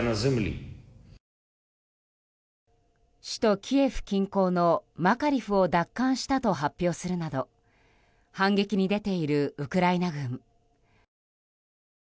首都キエフ近郊のマカリフを奪還したと発表するなど反撃に出ているウクライナ軍。